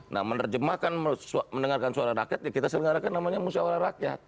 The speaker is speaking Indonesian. nah menerjemahkan mendengarkan suara rakyat ya kita selenggarakan namanya musyawarah rakyat